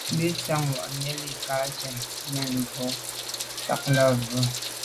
Bìn síáŋ bû’ŋwà’nǐ lî kά njə́n mə̂n mbwɔ̀ ntὰg lά bwə́.